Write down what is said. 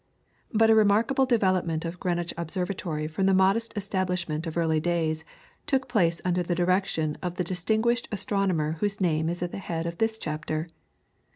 But a remarkable development of Greenwich Observatory from the modest establishment of early days took place under the direction of the distinguished astronomer whose name is at the head of this chapter.